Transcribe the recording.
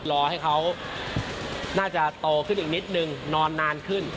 รอให้เขาน่าจะโตขึ้นอีกนิดนึงนอนนานขึ้น